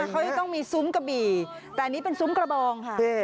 เขาจะต้องมีซุ้มกระบี่แต่อันนี้เป็นซุ้มกระบองค่ะ